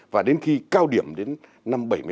và đến khi cao điểm đến năm bảy mươi năm